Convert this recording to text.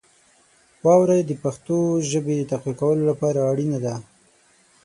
واورئ برخه د پښتو ژبې د تقویه کولو لپاره اړینه ده.